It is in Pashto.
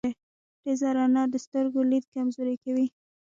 تیزه رڼا د سترګو لید کمزوری کوی.